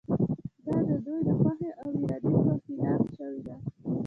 دا د دوی د خوښې او ارادې په خلاف شوې ده.